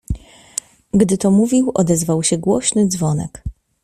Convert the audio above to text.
"Gdy to mówił odezwał się głośny dzwonek."